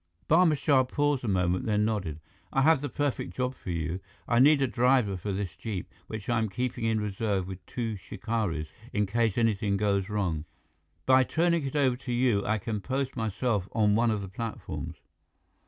Barma Shah paused a moment, then nodded. "I have the perfect job for you. I need a driver for the jeep, which I am keeping in reserve with two shikaris, in case anything goes wrong. By turning it over to you, I can post myself on one of the platforms."